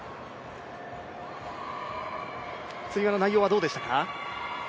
つり輪の内容はどうでしたか？